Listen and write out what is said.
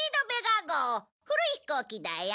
古い飛行機だよ。